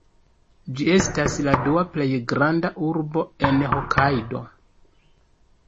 Ĝi estas la dua plej granda urbo en Hokajdo.